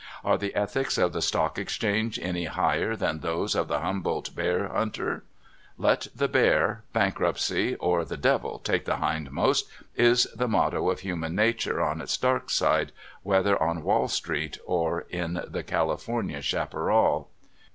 Are the ethics of the stock exchange any higher than those of the Humboldt bear hunter? Let the bear, bank rup>tcy, or the devil take the hindmost, is the motto of human nature on its dark side, whether on Wall street or in the California chaparral.